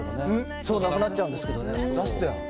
そう、なくなっちゃうんですけど。